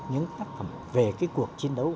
những tác phẩm về cái cuộc chiến đấu